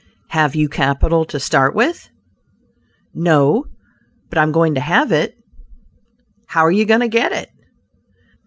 '" "Have you capital to start with?" "No, but I am going to have it." "How are you going to get it?"